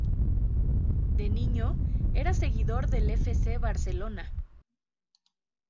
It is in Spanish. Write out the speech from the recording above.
De niño era seguidor del F. C. Barcelona.